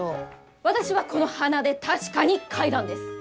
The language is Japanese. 私はこの鼻で確かに嗅いだんです！